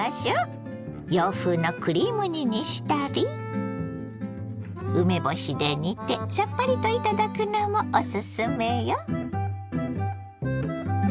洋風のクリーム煮にしたり梅干しで煮てさっぱりと頂くのもオススメよ。